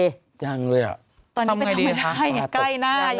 ตอนนี้ไม่ทำไม่ได้